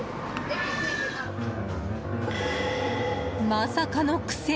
まさかの苦戦。